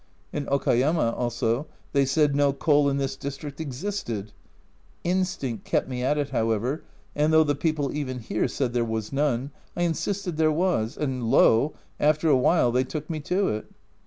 In Okayama also they said no coal in this district existed instinct kept me at it, however, and though the people even here said there was none, I insisted there was and lo ! after a while they took me to it.